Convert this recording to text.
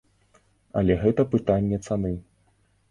Але гэта пытанне цаны.